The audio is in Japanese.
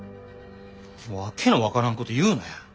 訳の分からんこと言うなや。